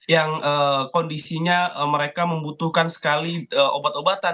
yang kondisinya mereka membutuhkan sekali obat obatan